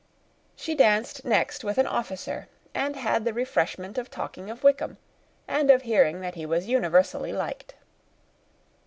She danced next with an officer, and had the refreshment of talking of Wickham, and of hearing that he was universally liked.